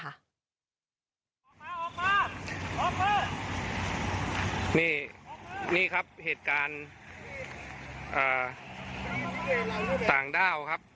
ออกมาออกมานี่นี่ครับเหตุการณ์อ่าต่างดาวครับ